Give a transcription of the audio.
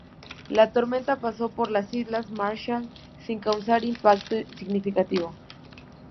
La tormenta pasó por las Islas Marshall sin causar un impacto significativo.